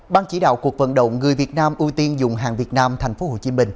ban chỉ đạo cuộc vận động người việt nam ưu tiên dùng hàng việt nam tp hcm